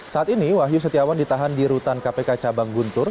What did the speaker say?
saat ini wahyu setiawan ditahan di rutan kpk cabang guntur